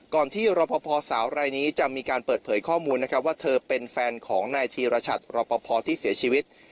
ที่รอพอสาวรายนี้จะมีการเปิดเผยข้อมูลนะครับว่าเธอเป็นแฟนของนายธีรชัดรอปภที่เสียชีวิต